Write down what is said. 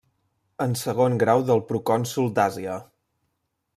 En segon grau del Procònsol d'Àsia.